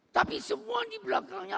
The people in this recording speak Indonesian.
tapi semua di belakangnya